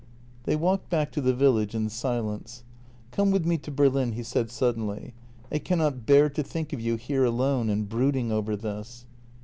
They walked back to the village in silence. " Come with me to Berlin," he said suddenly. " I cannot bear to think of you here alone and brooding over this."